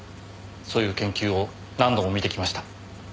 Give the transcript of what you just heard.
そういう研究を何度も見てきました。